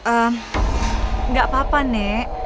ehm gak apa apa nek